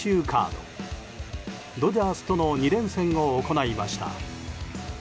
ドジャースとの２連戦を行いました。